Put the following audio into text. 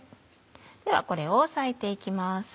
ではこれを割いて行きます。